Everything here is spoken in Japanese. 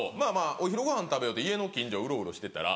お昼ごはん食べようと家の近所うろうろしてたら。